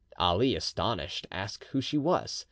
Ali, astonished, asked who she was.